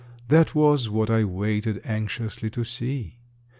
That was what I waited anxiously to see.